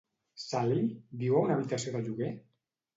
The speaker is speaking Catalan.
Sally viu a una habitació de lloguer?